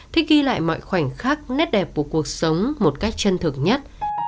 thích ghi lại mọi khoảnh khắc nét đẹp của cuộc sống một cách chân thực nhất